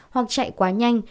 hoặc chạy quá nhanh